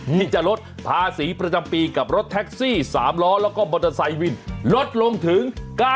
ที่จะลดภาษีประจำปีกับรถแท็กซี่๓ล้อแล้วก็มอเตอร์ไซค์วินลดลงถึง๙๐